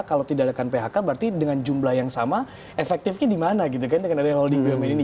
kalau tidak adakan phk berarti dengan jumlah yang sama efektifnya di mana gitu kan dengan ada holding bumn ini